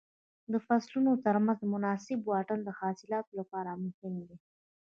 د فصلونو تر منځ مناسب واټن د حاصلاتو لپاره مهم دی.